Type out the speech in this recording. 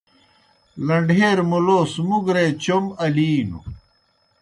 لنڈہیر مُلوس مُگرے چوْم الِینوْ۔